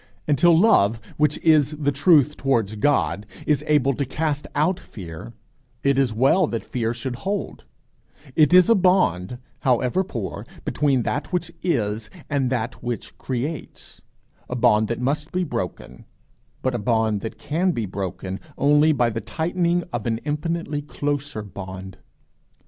Until love, which is the truth towards God, is able to cast out fear, it is well that fear should hold; it is a bond, however poor, between that which is and that which creates a bond that must be broken, but a bond that can be broken only by the tightening of an infinitely closer bond.